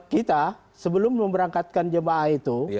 kita sebelum memberangkatkan jemaah itu